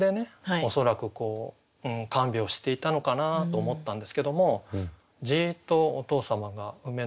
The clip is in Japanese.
恐らく看病していたのかなと思ったんですけどもじっとお父様が梅の庭を観ていると。